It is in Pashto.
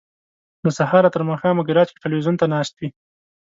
له سهاره تر ماښامه ګراج کې ټلویزیون ته ناست وي.